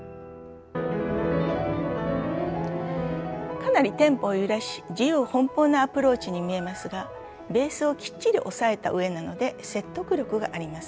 かなりテンポを揺らし自由奔放なアプローチに見えますがベースをきっちり押さえた上なので説得力があります。